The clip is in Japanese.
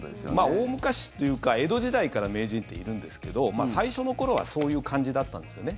大昔というか江戸時代から名人っているんですけど最初の頃はそういう感じだったんですよね。